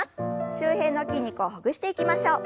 周辺の筋肉をほぐしていきましょう。